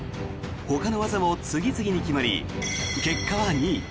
ほかの技も次々に決まり結果は２位。